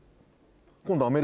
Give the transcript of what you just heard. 今度。